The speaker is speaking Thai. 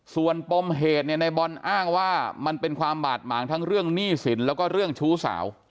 ส่วนปมเหตุเนี่ยในบอลอ้างว่ามันเป็นความบาดหมางทั้งเรื่องหนี้สินแล้วก็เรื่องชู้สาว